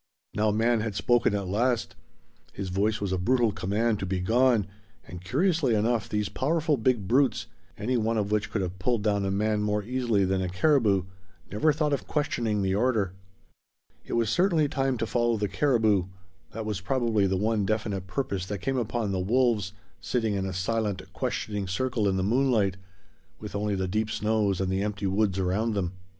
Now man had spoken at last; his voice was a brutal command to be gone, and curiously enough these powerful big brutes, any one of which could have pulled down a man more easily than a caribou, never thought of questioning the order. It was certainly time to follow the caribou that was probably the one definite purpose that came upon the wolves, sitting in a silent, questioning circle in the moonlight, with only the deep snows and the empty woods around them.